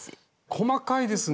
細かいですね！